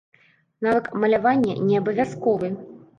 Навык малявання не абавязковы.